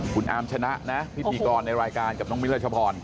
คุณอาร์มชนะนะพิธีกรในรายการกับน้องมิ้นรัชพร